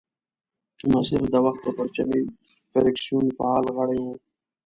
مسیر د وخت د پرچمي فرکسیون فعال غړی وو.